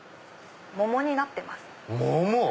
桃になってます。